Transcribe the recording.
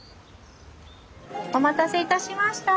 お待たせいたしました。